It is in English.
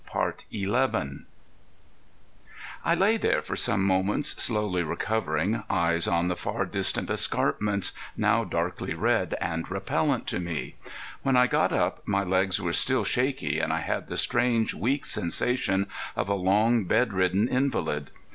XI I lay there for some moments slowly recovering, eyes on the far distant escarpments, now darkly red and repellent to me. When I got up my legs were still shaky and I had the strange, weak sensation of a long bed ridden invalid.